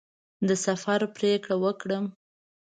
د سفر پرېکړه وکړم.